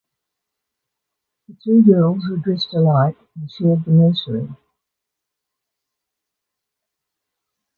The two girls were dressed alike and shared the nursery.